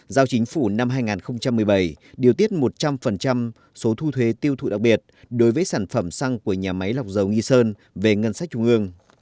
giao chính phủ năm hai nghìn một mươi bảy điều tiết một trăm linh số thu thuế tiêu thụ đặc biệt đối với sản phẩm xăng của nhà máy lọc dầu nghi sơn về ngân sách trung ương